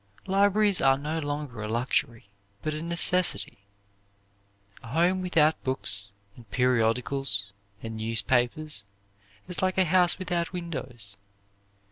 Libraries are no longer a luxury, but a necessity. A home without books and periodicals and newspapers is like a house without windows.